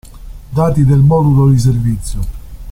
Dati del modulo di servizio.